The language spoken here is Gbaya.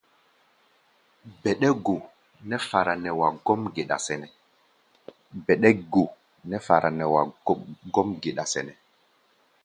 Bɛɗɛ́-go nɛ́ fara nɛ wa gɔ́m geɗa sɛnɛ́.